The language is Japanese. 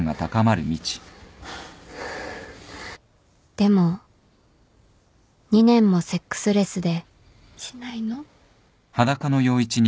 でも２年もセックスレスでしないの？